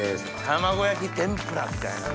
卵焼き天ぷらみたいなね。